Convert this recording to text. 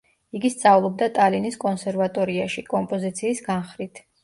იგი სწავლობდა ტალინის კონსერვატორიაში კომპოზიციის განხრით.